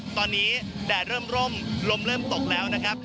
ตอนนี้แดดเริ่มร่มลมเริ่มตกแล้วนะครับ